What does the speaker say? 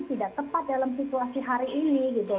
tidak tepat dalam situasi hari ini gitu